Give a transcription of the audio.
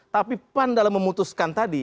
tapi pan dalam memutuskan tadi